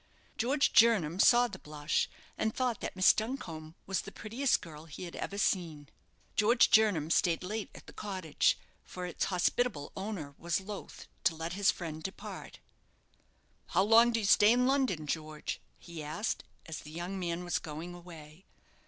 George Jernam saw the blush, and thought that Miss Duncombe was the prettiest girl he had ever seen. George Jernam stayed late at the cottage, for its hospitable owner was loth to let his friend depart. "How long do you stay in London, George?" he asked, as the young man was going away.